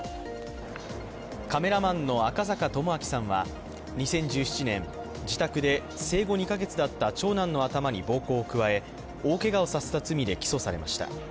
カメラマンの赤阪友昭さんは２０１７年、自宅で生後２か月だった長男の頭に暴行を加え大けがをさせた罪で起訴されました。